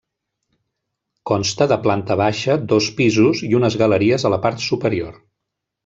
Consta de planta baixa, dos pisos i unes galeries a la part superior.